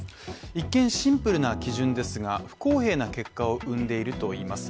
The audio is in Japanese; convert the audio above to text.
一見シンプルな基準ですが、不公平な結果を生んでいるといいます。